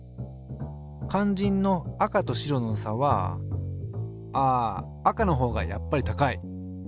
かんじんの赤と白の差はああ赤のほうがやっぱり高い。